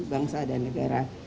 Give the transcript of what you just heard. bangsa dan negara